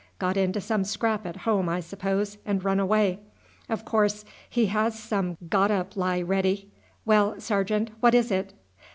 "Got into some scrape at home, I suppose, and run away. Of course he has some got up lie ready. Well, sergeant, what is it?"